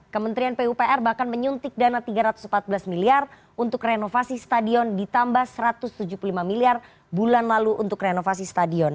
kementerian pupr bahkan menyuntik dana tiga ratus empat belas miliar untuk renovasi stadion ditambah satu ratus tujuh puluh lima miliar bulan lalu untuk renovasi stadion